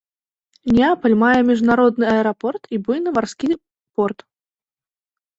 Неапаль мае міжнародны аэрапорт і буйны марскі порт.